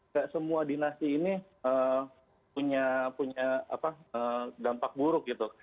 tidak semua dinasti ini punya dampak buruk